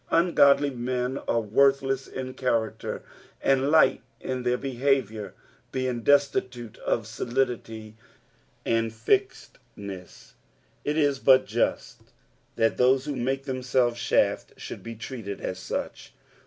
Ungodly men are worthless in character, and light in theu behaviour, being destitute of solidity and flzednesa ; it is but just that those who make themselves chaff should be treated as such.